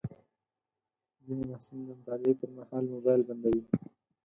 ځینې محصلین د مطالعې پر مهال موبایل بندوي.